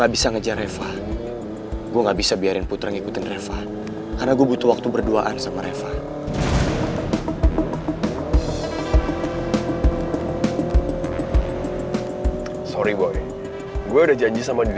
makasih banyak ya mon